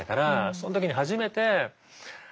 その時に初めてああ